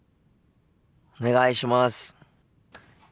お願いします。